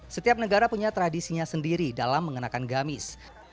setiap negara punya tradisinya sendiri dalam mengenakan gamis